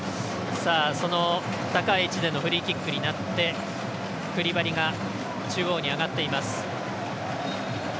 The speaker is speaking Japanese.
高い位置でのフリーキックになってクリバリが中央に上がっています。